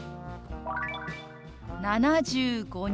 「７５人」。